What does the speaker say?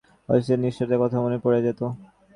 অতীতের নিষ্ঠুরতার কথা মনে পড়ে যেত।